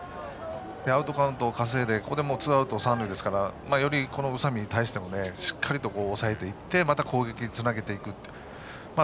アウトカウントを稼いでここもツーアウト、三塁ですからより宇佐見に対してもしっかり抑えていってまた攻撃につなげていくという。